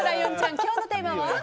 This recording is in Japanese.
今日のテーマは？